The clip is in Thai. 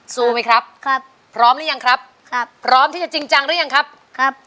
ไหมครับครับพร้อมหรือยังครับครับพร้อมที่จะจริงจังหรือยังครับครับ